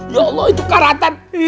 ya allah itu karatan